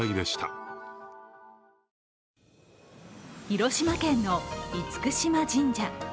広島県の厳島神社。